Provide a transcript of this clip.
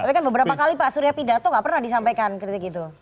tapi kan beberapa kali pak surya pidato nggak pernah disampaikan kritik itu